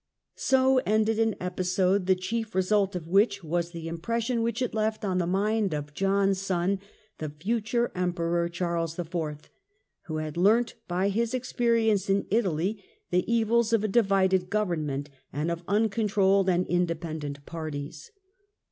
So ended an episode the chief result of which was the impression which it left on the mind of John's son, the future Emperor Charles IV., who had learnt, by his experience in Italy, the evils of a divided government and of uncontrolled and independent parties.